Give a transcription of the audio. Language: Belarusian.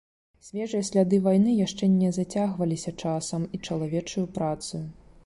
Свежыя сляды вайны яшчэ не зацягваліся часам і чалавечаю працаю.